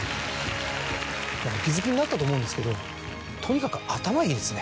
お気付きになったと思うんですけどとにかく。